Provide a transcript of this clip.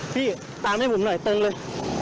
พี่ตามให้ผมหน่อยเติ้งเลย